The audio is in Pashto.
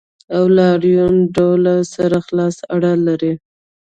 او له آریون ډلو سره خاصه اړه لري.